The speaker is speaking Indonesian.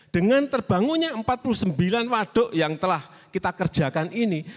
dengan terbangunnya empat puluh sembilan waduk yang telah kita kerjakan ini